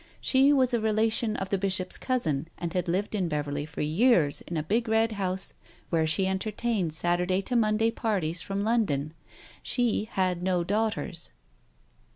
She was a relation of the Bishop's cousin, and had lived in Beverley for years in a big red house where she entertained Saturday to Monday parties from London. She had no daughters.